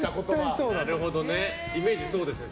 イメージ確かにそうですね。